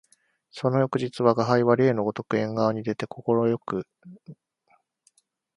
その翌日吾輩は例のごとく縁側に出て心持ち善く昼寝をしていたら、主人が例になく書斎から出て来て吾輩の後ろで何かしきりにやっている